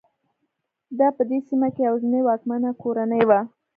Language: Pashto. دا په دې سیمه کې یوازینۍ واکمنه کورنۍ وه.